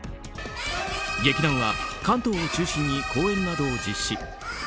劇団は関東を中心に公演などを実施。